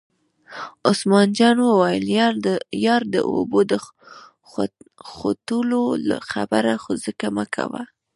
عثمان جان وویل: یار د اوبو د خوټولو خبره خو ځکه مکوه.